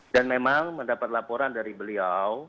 dan memang mendapat laporan dari beliau